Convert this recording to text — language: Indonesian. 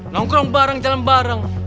nongkrong bareng jalan bareng